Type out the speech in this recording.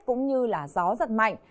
cũng như là gió giật mạnh